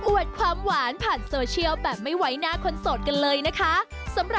วดความหวานผ่านโซเชียลแบบไม่ไว้หน้าคนโสดกันเลยนะคะ